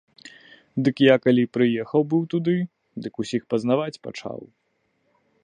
Дык я калі прыехаў быў туды, дык усіх пазнаваць пачаў.